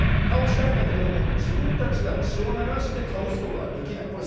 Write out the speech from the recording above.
倒したいんだけれども自分たちが血を流して倒すことはできない。